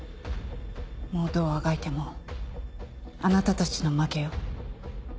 もうどうあがいてもあなたたちの負けよ。